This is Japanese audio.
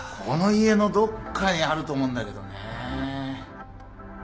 この家のどっかにあると思うんだけどね。